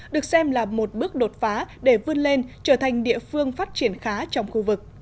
được xem là một bước đột phá để vươn lên trở thành địa phương phát triển khá trong khu vực